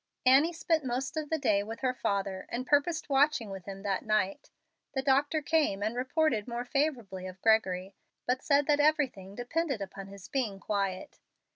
Annie spent most of the day with her father, and purposed watching with him that night. The doctor came and reported more favorably of Gregory, but said that everything depended upon his being quiet.